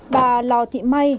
bà lo thị may